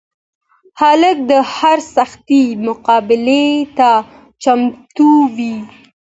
هلک د هر سختي مقابلې ته چمتو وي.